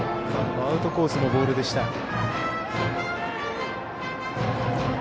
アウトコースのボールでした。